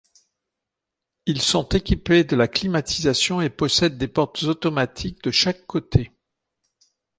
Ils sont équipés de la climatisation et possèdent des portes automatiques de chaque côté.